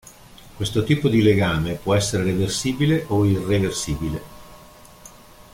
Questo tipo di legame può essere reversibile o irreversibile.